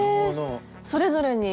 それぞれに？